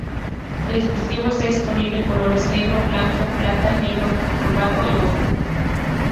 El dispositivo está disponible en colores negro, blanco plata, negro cobalto y rojo.